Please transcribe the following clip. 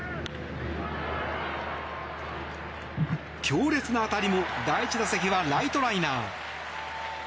強烈な当たりも第１打席はライトライナー。